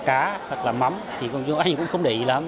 cá hoặc là mắm thì chúng tôi cũng không để ý lắm